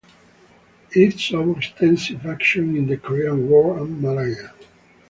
It saw extensive action in the Korean War and Malaya.